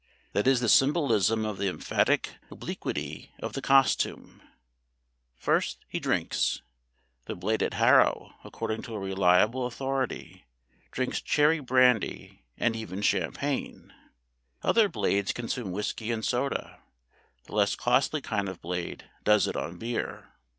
That is the symbolism of the emphatic obliquity of the costume. First, he drinks. The Blade at Harrow, according to a reliable authority, drinks cherry brandy and even champagne; other Blades consume whisky and soda; the less costly kind of Blade does it on beer.